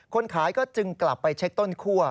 คนขายก็จึงกลับไปเช็คต้นคั่ว